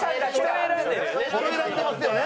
人選んでますよね。